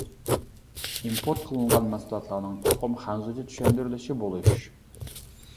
ئىمپورت قىلىنغان مەھسۇلاتلارنىڭ چوقۇم خەنزۇچە چۈشەندۈرۈلۈشى بولۇش.